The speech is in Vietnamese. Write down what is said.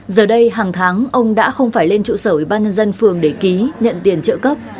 giờ đây hàng tháng ông đã không phải lên trụ sở ủy ban nhân dân phường để ký nhận tiền trợ cấp